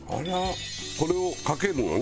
これをかけるのね？